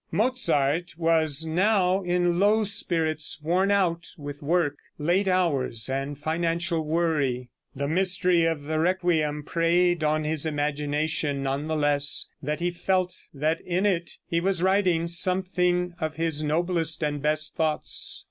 Mozart was now in low spirits, worn out with work, late hours and financial worry. The mystery of the "Requiem" preyed on his imagination none the less that he felt that in it he was writing some of his noblest and best thoughts.